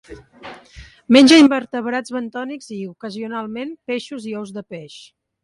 Menja invertebrats bentònics i, ocasionalment, peixos i ous de peix.